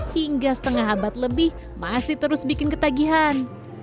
hingga setengah abad lebih masih terus bikin ketagihan